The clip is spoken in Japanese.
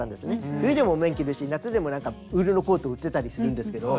冬でも綿着るし夏でもウールのコート売ってたりするんですけど。